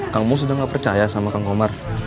kang emus udah gak percaya sama kang omar